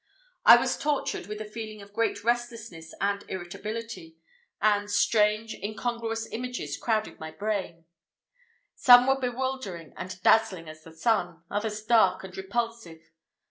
I was tortured with a feeling of great restlessness and irritability, and strange, incongruous images crowded my brain. Some were bewildering and dazzling as the sun, others dark and repulsive.